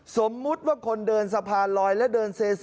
สมมุติว่าคนเดินสะพานลอยและเดินเซ